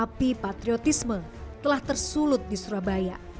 api patriotisme telah tersulut di surabaya